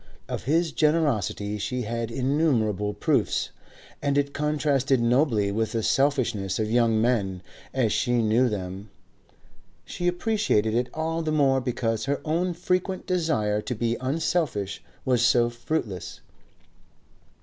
Of his generosity she had innumerable proofs, and it contrasted nobly with the selfishness of young men as she knew them; she appreciated it all the more because her own frequent desire to be unselfish was so fruitless.